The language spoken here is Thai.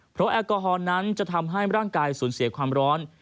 เพราะแอลกอฮอลนั้นจะทำให้ร่างกายสูญเสียความร้อน